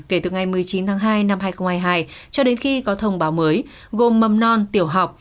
kể từ ngày một mươi chín tháng hai năm hai nghìn hai mươi hai cho đến khi có thông báo mới gồm mầm non tiểu học